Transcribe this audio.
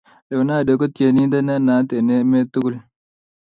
Leonardo kotienindet ne naat en emet tugul